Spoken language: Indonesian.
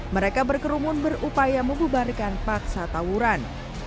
mereka berkerumun berupaya membubarkan paksa tawuran